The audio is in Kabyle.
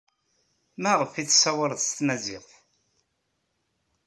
Maɣef ay tessawaled s tmaziɣt?